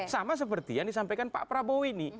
sama seperti yang disampaikan pak prabowo ini